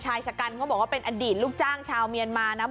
ชายชะกันเขาบอกว่าเป็นอดีตลูกจ้างชาวเมียนมานะ